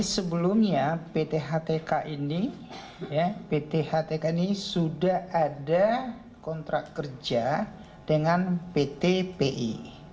sebelumnya pt htk ini sudah ada kontrak kerja dengan pt pi